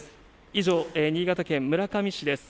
以上、新潟県村上市です。